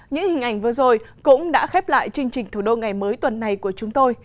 những hình ảnh vừa rồi cũng đã khép lại chương trình thủ đô ngày mới tuần này của chúng tôi